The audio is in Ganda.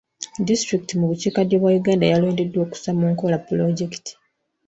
Disitulikiti mu bukiika ddyo bwa Uganda yalondeddwa okussa mu nkola pulojekiti